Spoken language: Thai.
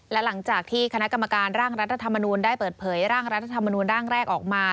และหลังจากที่คณะกรรมการร่างรัฐธรรมนูลได้เปิดเผยร่างรัฐธรรมนูลร่างแรกออกมา